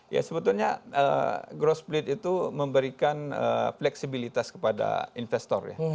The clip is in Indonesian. ya sebetulnya growth split itu memberikan fleksibilitas kepada investor ya